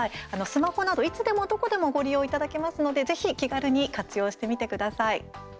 スマホなど、いつでもどこでもご利用いただけますのでぜひ気軽に活用してみてください。